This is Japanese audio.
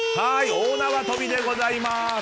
大縄跳びでございます。